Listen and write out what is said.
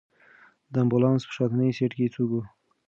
د امبولانس په شاتني سېټ کې څوک و؟